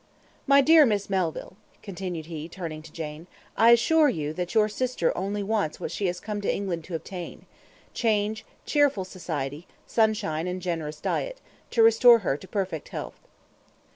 "My dear Miss Melville," continued he, turning to Jane, "I assure you that your sister only wants what she has come to England to obtain change, cheerful society, sunshine, and generous diet to restore her to perfect health."